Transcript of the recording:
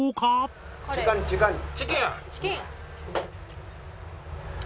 チキン！